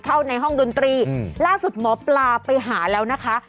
เข้าในห้องดนตรีล่าสุดหมอปลาไปหาแล้วนะคะ